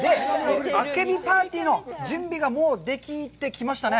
あけびパーティーの準備が、もうできてきましたね。